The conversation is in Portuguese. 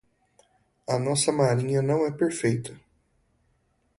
A nossa marinha não é perfeita.